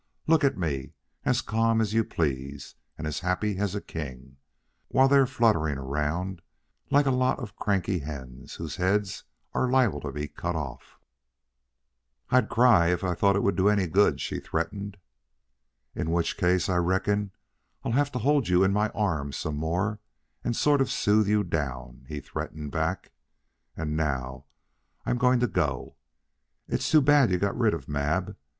"Look at me as calm as you please, and as happy as a king, while they're fluttering around like a lot of cranky hens whose heads are liable to be cut off." "I'd cry, if I thought it would do any good," she threatened. "In which case I reckon I'd have to hold you in my arms some more and sort of soothe you down," he threatened back. "And now I'm going to go. It's too bad you got rid of Mab.